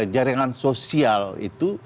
jaringan sosial itu